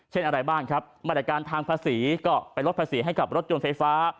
อะไรบ้างครับมาตรการทางภาษีก็ไปลดภาษีให้กับรถยนต์ไฟฟ้า